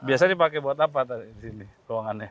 biasanya dipakai buat apa tadi ruangannya